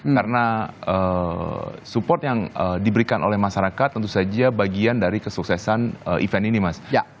karena support yang diberikan oleh masyarakat tentu saja bagian dari kesuksesan event ini mas